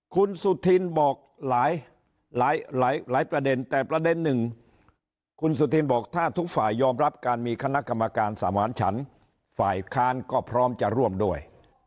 คุณสุธินบอกหลายหลายประเด็นแต่ประเด็นหนึ่งคุณสุธินบอกถ้าทุกฝ่ายยอมรับการมีคณะกรรมการสมานฉันฝ่ายค้านก็พร้อมจะร่วมด้วย